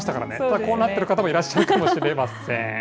こうなってる方もいらっしゃるかもしれません。